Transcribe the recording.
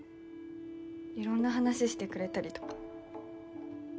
いろんな話してくれたりとか。